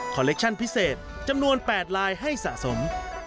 เล็กชั่นพิเศษจำนวน๘ลายให้สะสม